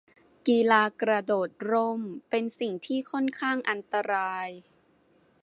กีฬากระโดดร่ม เป็นสิ่งที่ค่อนข้างอันตราย